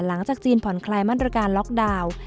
หลังจากจีนผ่อนคลายมาตรการล็อกดาวน์